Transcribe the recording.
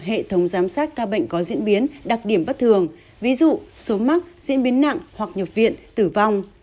hệ thống giám sát ca bệnh có diễn biến đặc điểm bất thường ví dụ số mắc diễn biến nặng hoặc nhập viện tử vong